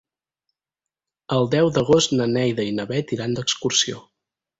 El deu d'agost na Neida i na Bet iran d'excursió.